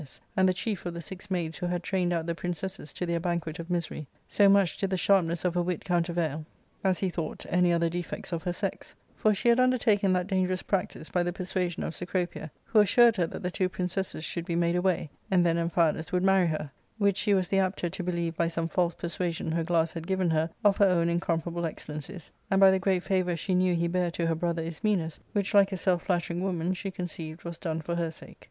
And whet her tongue with oily words and spared for no cost." ARCADIA.— Booh III. 309 thought, any other defects of her sex ; for she had undertaken that dangerous practice by the persuasion of Cecropia, who assired her that the two princesses should be made away, and then Amphialus would marry her ; which she was the apter to believe by some false persuasion her glass had given her of her own incomparable excellencies, and by the great favour she knew he bare to her brother Ismenus, which, like a self flattering woman, she conceived was done for her sake.